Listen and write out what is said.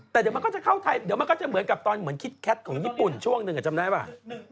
แต่เดี๋ยวมันก็จะเข้าไทยเดี๋ยวมันก็จะเหมือนกับตอนเหมือนคิดแคทของญี่ปุ่นช่วงหนึ่งจำได้ป่ะ